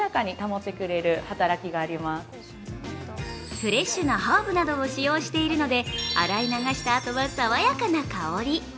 フレッシュなハーブなどを使用しているので洗い流したあとは爽やかな香り。